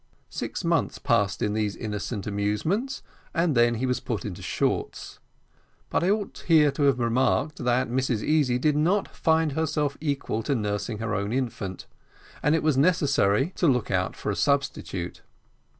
Six months passed in these innocent amusements, and then he was put into shorts. But I ought here to have remarked, that Mrs Easy did not find herself equal to nursing her own infant, and it was necessary to look out for a substitute.